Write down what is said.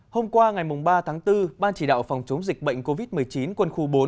hôm qua ngày ba tháng bốn ban chỉ đạo phòng chống dịch bệnh covid một mươi chín quân khu bốn